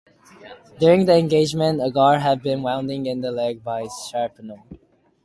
During the engagement Agar had been wounded in the leg by shrapnel.